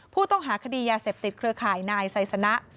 ผู้ต้องหาคดียาเสพติดเครือข่ายนายไซสนะ